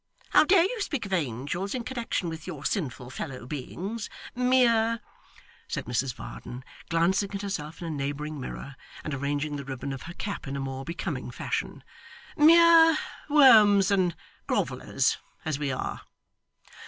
How dare you speak of angels in connection with your sinful fellow beings mere' said Mrs Varden, glancing at herself in a neighbouring mirror, and arranging the ribbon of her cap in a more becoming fashion 'mere worms and grovellers as we are!